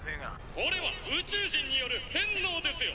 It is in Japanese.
「これは宇宙人による洗脳ですよ！